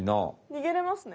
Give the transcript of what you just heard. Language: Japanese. にげれますね。